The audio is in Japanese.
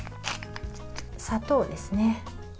砂糖ですね。